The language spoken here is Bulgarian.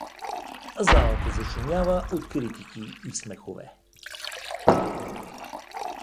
Залата зашумява от критики и смехове.